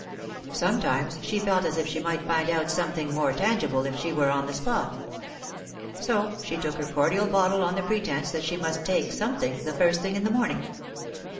Sometimes she felt as if she might find out something more tangible if she were on the spot. So she took her cordial bottle on the pretence that she must ''take something the first thing in the morning.